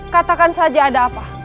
katakan saja ada apa